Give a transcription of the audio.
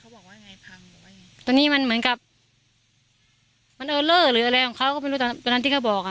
เขาบอกว่ายังไงพังหรือว่ายังไงตัวนี้มันเหมือนกับหรืออะไรของเขาก็ไม่รู้ตอนตอนนั้นที่เขาบอกอ่ะ